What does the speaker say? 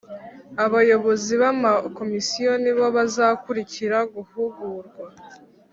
Abayobozi b’ amakomisiyo nibo bazakurikira guhugurwa